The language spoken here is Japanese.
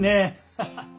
ハハハッ！